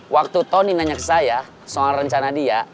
waktu tony nanya ke saya soal rencana dia